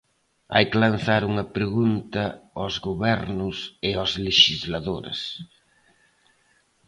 Hai que lanzar unha pregunta aos gobernos e aos lexisladores.